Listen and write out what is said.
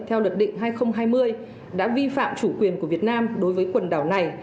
theo luật định hai nghìn hai mươi đã vi phạm chủ quyền của việt nam đối với quần đảo này